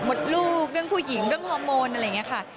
หมดลูกเรื่องผู้หญิงเรื่องฮอร์โมนอะ